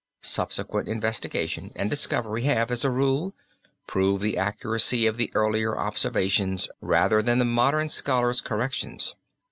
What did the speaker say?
Subsequent investigation and discovery have, as a rule, proved the accuracy of the earlier observations rather than the modern scholar's corrections.